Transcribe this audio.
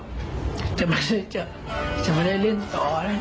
กลัวว่าจะไม่ได้เล่นต่อ